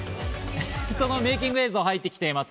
そのメイキング映像が入ってきています。